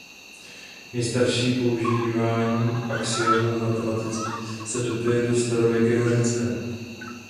Nejstarší používání axiomů v matematice se datuje do starověkého Řecka.